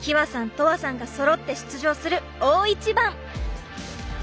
とわさんがそろって出場する大一番！